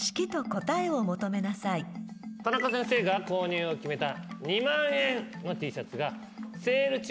タナカ先生が購入を決めた。